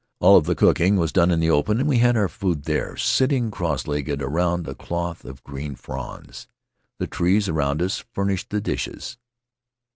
All of the cooking was done in the open, and we had our food there, sitting cross legged around a cloth of green fronds. The trees around us furnished the dishes.